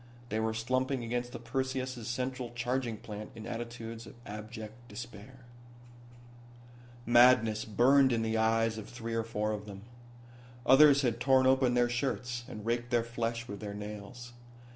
They were slumping against the Perseus' central charging plant in attitudes of abject despair. Madness burned in the eyes of three or four of them. Others had torn open their shirts, and raked their flesh with their nails.